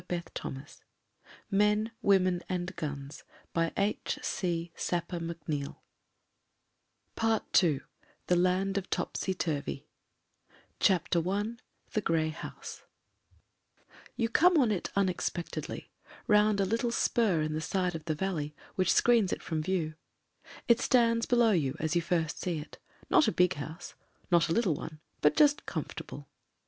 Damn all cats !'* PART TWO THE LAND OF TOPSY TURVY PART TWO THE LAND OF TOPSY TURVY CHAPTER I TBE (XBX BOUIS YOU come on it unexpectedly, round a little spur in the side of the valley, which screens it from view. It stands below you as you first see it, not a big house, not a little one, but just comfortable.